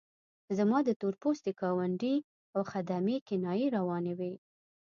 زما د تور پوستي ګاونډي او خدمې کنایې روانې وې.